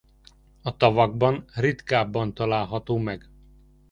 A tavakban ritkábban található meg.